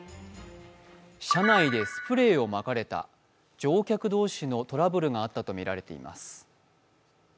車内でスプレーをまかれた乗客同士のトラブルがあったとみられています。